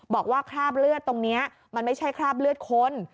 คราบเลือดตรงนี้มันไม่ใช่คราบเลือดคน